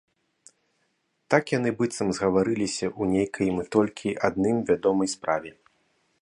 Так яны быццам згаварыліся ў нейкай ім толькі адным вядомай справе.